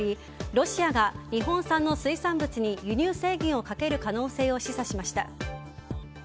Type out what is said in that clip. ロシアが日本産の水産物に輸入制限をかける可能性を示唆しました。